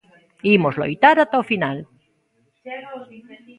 Imos loitar ata o final.